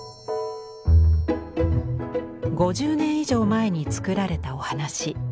５０年以上前に作られたお話。